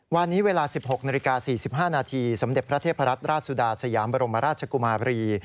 วันนี้เวลา๑๖นาฬิกา๔๕นาทีสมเด็จพระเทพรัตนราชสุดาสยามบรมราชกุมาบรี